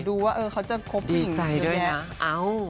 ดีใจด้วยนะ